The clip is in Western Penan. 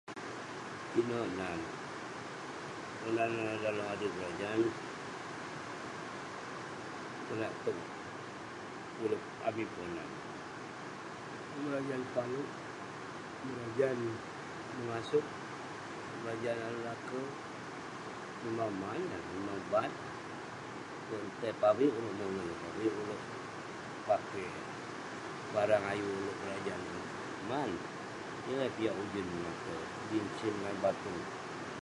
Pinek nan. [unintelligible] adui berajan. Konak tog urip amik Ponan, berajan palouk, berajan mengasouk, berajan ale laker. Memang maan, memang baat. Tai pavik ulouk mongen, tai pavik ulouk pakey barang ayuk ulouk berajan ineh. Man, yeng eh piak ujun mengater. Jin sin ngan batung.